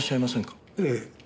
ええ。